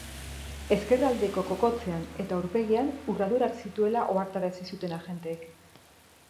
Ezkerraldeko kokotsean eta aurpegian urradurak zituela ohartarazi zuten agenteek.